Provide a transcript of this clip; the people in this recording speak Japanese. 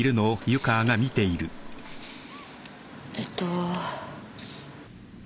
えっと。